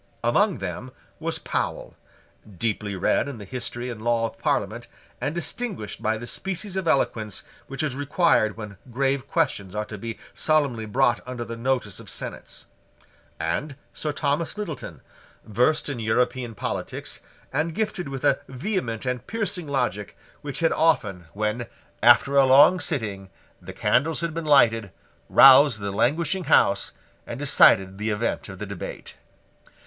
Among them was Powle, deeply read in the history and law of Parliament, and distinguished by the species of eloquence which is required when grave questions are to be solemnly brought under the notice of senates; and Sir Thomas Littleton, versed in European politics, and gifted with a vehement and piercing logic which had often, when, after a long sitting, the candles had been lighted, roused the languishing House, and decided the event of the debate.